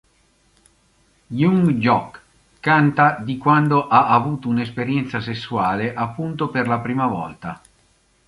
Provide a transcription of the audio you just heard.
Yung Joc canta di quando ha avuto un'esperienza sessuale appunto per la prima volta.